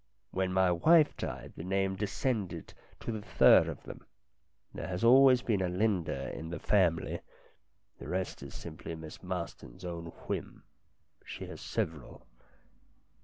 When my wife died the name descended to the third of them. There has always been a Linda in the family. The rest is simply Miss Marston's own whim. She has several."